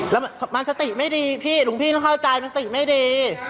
แล้วมันสติไม่ดีพี่หลวงพี่ต้องเข้าใจมันสติไม่ดี